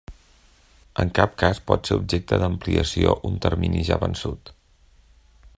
En cap cas pot ser objecte d'ampliació un termini ja vençut.